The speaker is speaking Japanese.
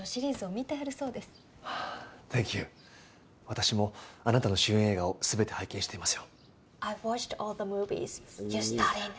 私もあなたの主演映画を全て拝見していますよ。